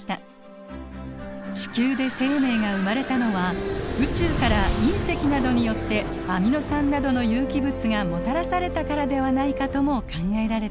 地球で生命が生まれたのは宇宙から隕石などによってアミノ酸などの有機物がもたらされたからではないかとも考えられています。